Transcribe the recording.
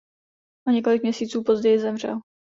O několik měsíců později zemřel.